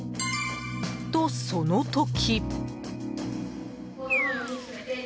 と、その時！